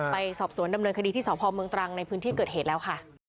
ไปสอบสวนดำเนินคดีที่สพเมืองตรังในพื้นที่เกิดเหตุแล้วค่ะ